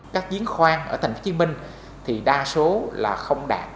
các diễn khoan ở tp hcm thì đa số là không đạt